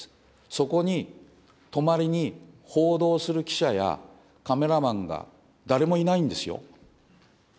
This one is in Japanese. そこに泊まりに報道する記者やカメラマンが誰もいないんですよ。